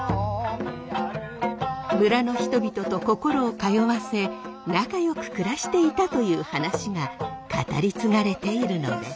村の人々と心を通わせ仲よく暮らしていたという話が語り継がれているのです。